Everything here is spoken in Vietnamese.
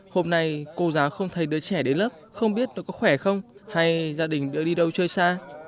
hôm nay cô giáo không thấy đứa trẻ đến lớp không biết nó có khỏe không hay gia đình đã đi đâu chơi xa